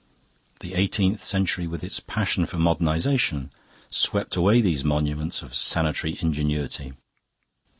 The eighteenth century, with its passion for modernisation, swept away these monuments of sanitary ingenuity.